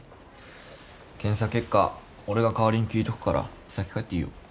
検査結果俺が代わりに聞いとくから先帰っていいよ。